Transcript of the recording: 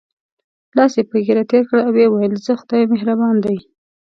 لاس یې په ږیره تېر کړ او وویل: ځه خدای مهربان دی.